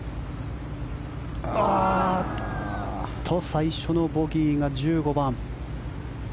最初のボギーが１５番。